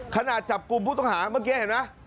ขนาดจับกลุ่มผู้ต้องหาเมื่อกี้เห็นไหม